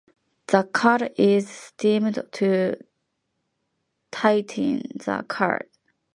The cord is steamed to tighten the cord.